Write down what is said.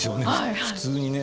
普通にね。